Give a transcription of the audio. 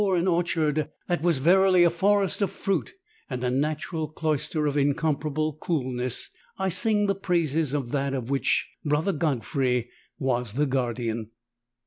20 orchard that was verily a forest of fruit and a natural clois ter of incomparable coolness, I sing the praises of that of which Brother Godfrey was the guardian.